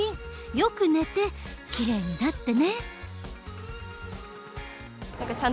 よく寝てきれいになってね。